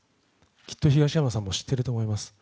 多分、東山さんも知ってると思います。